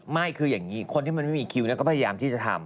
ไม่คืออย่างนี้คนที่มันไม่มีคิวก็พยายามที่จะทำ